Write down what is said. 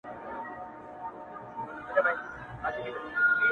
ورځيني ليري گرځــم ليــري گــرځــــم؛